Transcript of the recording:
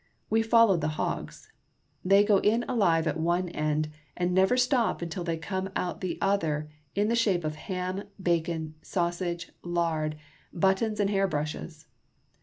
We follow the hogs. They go in alive at one end, and never stop until they come out at the other in the shape of hams, bacon, sausage, lard, buttons, and hairbrushes.